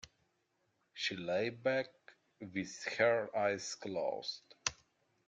She lay back with her eyes closed.